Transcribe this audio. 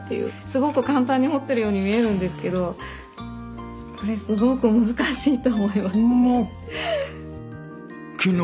すごく簡単に彫ってるように見えるんですけどこれすごく難しいと思います。